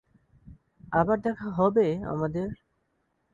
আবার দেখা হবে আমাদের?